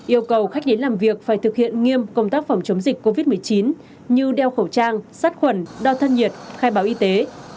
yêu cầu khách đến làm việc phải thực hiện nghiêm công tác phòng chống dịch covid một mươi chín như đeo khẩu trang sát khuẩn đo thân nhiệt khai báo y tế